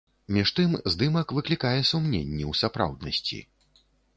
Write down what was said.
Між тым, здымак выклікае сумненні ў сапраўднасці.